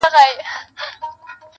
o د ړندو په ښار کي يو سترگئ پاچا دئ.